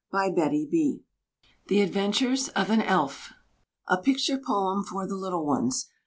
THE ADVENTURES OF AN ELF. A PICTURE POEM FOR THE LITTLE ONES.